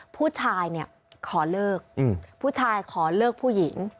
ผู้ชายเนี่ยขอเลิกผู้ชายขอเลิกผู้หญิง